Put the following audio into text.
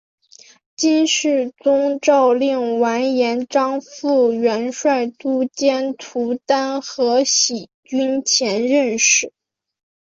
金世宗诏令完颜璋赴元帅都监徒单合喜军前任使。